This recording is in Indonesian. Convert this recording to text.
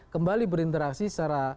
kembali berinteraksi secara